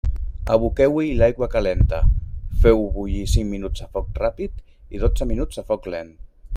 Aboqueu-hi l'aigua calenta, feu-ho bullir cinc minuts a foc ràpid i dotze minuts a foc lent.